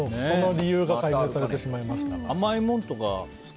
理由が解明されてしまいました。